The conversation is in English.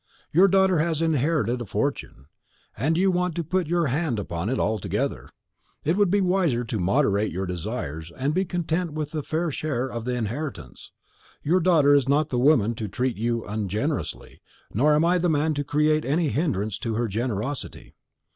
Your daughter has inherited a fortune, and you want to put your hand upon it altogether. It would be wiser to moderate your desires, and be content with a fair share of the inheritance. Your daughter is not the woman to treat you ungenerously, nor am I the man to create any hindrance to her generosity."